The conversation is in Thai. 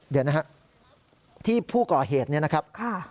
เดี๋ยวนะฮะที่ผู้ก่อเหตุเนี่ยนะครับ